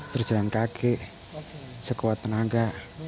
terjalan kaki sekuat tenaga